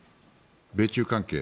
米中関係。